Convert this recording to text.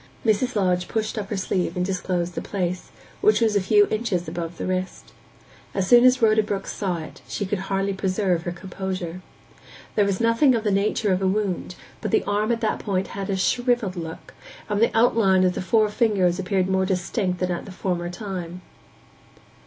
Mrs. Lodge pushed up her sleeve and disclosed the place, which was a few inches above the wrist. As soon as Rhoda Brook saw it, she could hardly preserve her composure. There was nothing of the nature of a wound, but the arm at that point had a shrivelled look, and the outline of the four fingers appeared more distinct than at the former time.